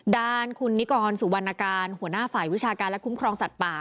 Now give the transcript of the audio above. ด้านคุณนิกรสุวรรณการหัวหน้าฝ่ายวิชาการและคุ้มครองสัตว์ป่า